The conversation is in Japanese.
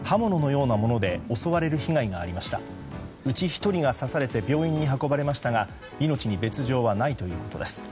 うち１人が刺されて病院に運ばれましたが命に別条はないということです。